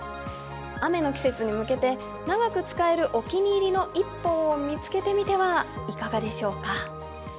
雨の季節に向けて長く使えるお気に入りの一本を見つけてみてはいかがでしょうか。